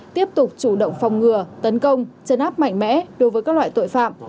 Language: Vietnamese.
tiếp tục chủ động phòng ngừa tấn công chấn áp mạnh mẽ đối với các loại tội phạm